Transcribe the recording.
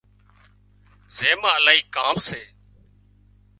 زين مان الاهي ڪام سي